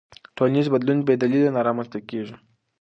ټولنیز بدلون بې دلیله نه رامنځته کېږي.